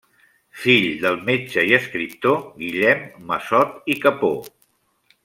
Fill del metge i escriptor Guillem Massot i Capó.